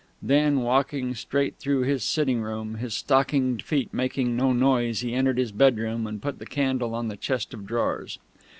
Then, walking straight through his sitting room, his stockinged feet making no noise, he entered his bedroom and put the candle on the chest of drawers.